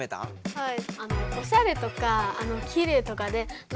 はい。